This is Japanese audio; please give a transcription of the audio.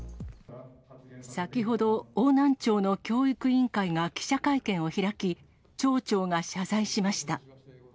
先ほど、邑南町の教育委員会が記者会見を開き、町長が謝罪しました。